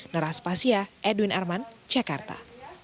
neras pasia edwin arman jakarta